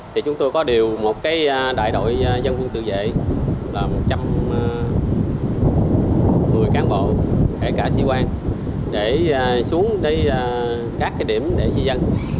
thì chúng tôi có điều một cái đại đội dân quân tự dệ là một trăm linh người cán bộ kể cả sĩ quan để xuống đây các cái điểm để di dân